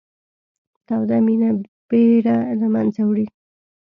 توده مینه بېره له منځه وړي